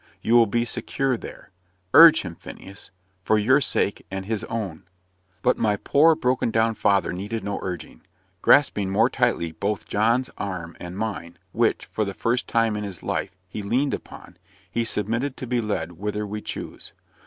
You will be secure there. Urge him, Phineas for your sake and his own." But my poor broken down father needed no urging. Grasping more tightly both John's arm and mine, which, for the first time in his life, he leaned upon, he submitted to be led whither we chose.